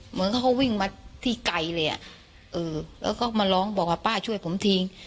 เหมือนเขาวิ่งมาที่ไกลเลยอ่ะเออแล้วก็มาร้องบอกว่าป้าช่วยผมทิ้ง